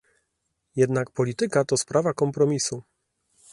Jednak polityka to sprawa kompromisu